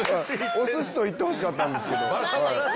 お寿司と言ってほしかったんですけど。